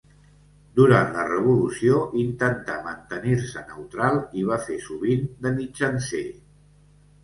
Durant la revolució intentà mantenir-se neutral i va fer sovint de mitjancer.